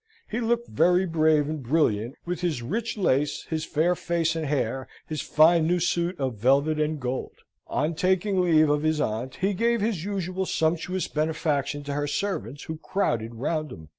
He looked very brave and brilliant, with his rich lace, his fair face and hair, his fine new suit of velvet and gold. On taking leave of his aunt he gave his usual sumptuous benefaction to her servants, who crowded round him.